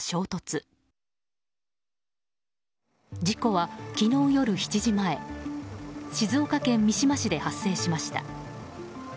事故は昨日夜７時前静岡県三島市で発生しました。